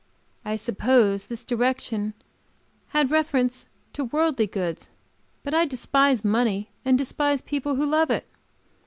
I suppose this direction had reference to worldly good, but I despise money, and despise people who love it.